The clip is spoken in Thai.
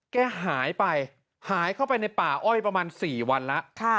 แกหายไปหายเข้าไปในป่าอ้อยประมาณ๔วันแล้ว